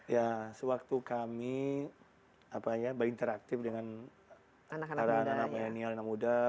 ya sewaktu kami berinteraktif dengan anak anak muda